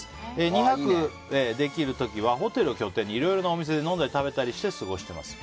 ２泊できる時はホテルを拠点にいろいろなお店で飲んだり食べたりして過ごしています。